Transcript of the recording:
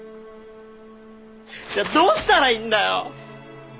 じゃあどうしたらいいんだよ！